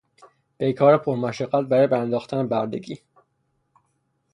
پیکار پر مشقت برای برانداختن بردگی